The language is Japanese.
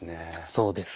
そうです。